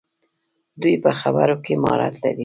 دوی په خبرو کې مهارت لري.